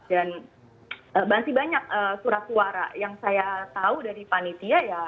dan masih banyak surat suara yang saya tahu dari panitia ya